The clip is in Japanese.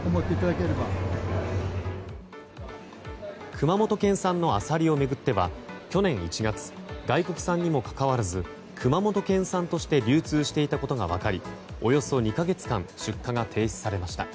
熊本県産のアサリを巡っては去年１月、外国産にもかかわらず熊本県産として流通していたことが分かりおよそ２か月間出荷が停止されました。